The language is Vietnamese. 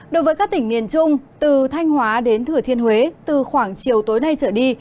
đối với các tỉnh miền trung từ thanh hóa đến thừa thiên huế từ khoảng chiều tối nay trở đi